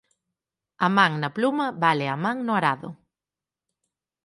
A man na pluma vale a man no arado.